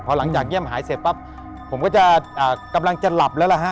พอหลังจากเยี่ยมหายเสร็จปั๊บผมก็จะกำลังจะหลับแล้วล่ะฮะ